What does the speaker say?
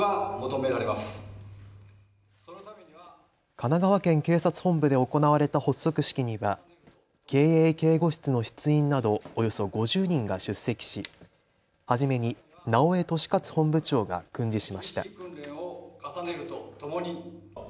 神奈川県警察本部で行われた発足式には警衛警護室の室員などおよそ５０人が出席し初めに直江利克本部長が訓示しました。